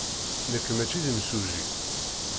Nekk maci d imsujji.